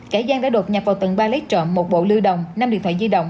cải giang đã đột nhập vào tầng ba lấy trộm một bộ lưu đồng năm điện thoại di động